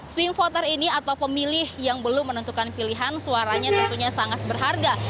swing voter ini atau pemilih yang belum menentukan pilihan suaranya tentunya sangat berharga